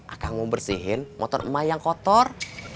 akang mau bersihin motor emas yang kotor